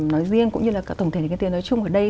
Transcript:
nói riêng cũng như là tổng thể cái tiền nói chung ở đây